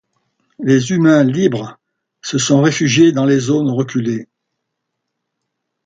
Les humains libres se sont réfugiés dans des zones reculées.